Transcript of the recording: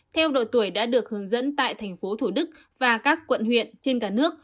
theo đội tuổi đã được hướng dẫn tại tp thủ đức và các quận huyện trên cả nước